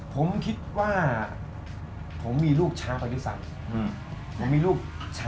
ผมคิดว่าผมมีลูกช้าไปที่สรรค์